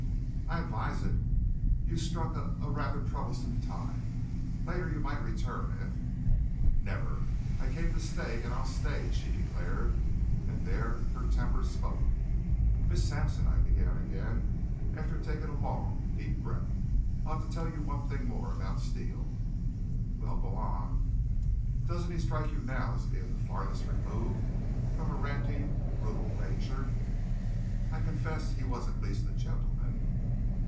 "I advise it. You struck a a rather troublesome time. Later you might return if " "Never. I came to stay, and I'll stay," she declared, and there her temper spoke. "Miss Sampson," I began again, after taking a long, deep breath, "I ought to tell you one thing more about Steele." "Well, go on." "Doesn't he strike you now as being the farthest removed from a ranting, brutal Ranger?" "I confess he was at least a gentleman."